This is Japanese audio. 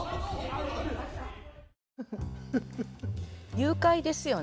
誘拐ですよね